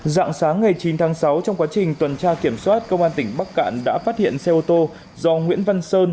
dạng sáng ngày chín tháng sáu trong quá trình tuần tra kiểm soát công an tỉnh bắc cạn đã phát hiện xe ô tô do nguyễn văn sơn